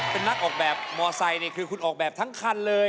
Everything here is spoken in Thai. เป็นนักออกแบบมอไซค์คือคุณออกแบบทั้งคันเลย